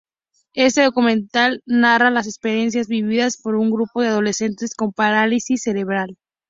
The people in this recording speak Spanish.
Este documental narra las experiencias vividas por un grupo de adolescentes con parálisis cerebral.